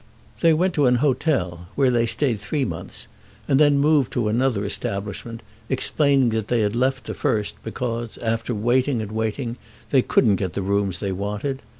They went to an hotel, where they stayed three months, and then moved to another establishment, explaining that they had left the first because, after waiting and waiting, they couldn't get the rooms they wanted.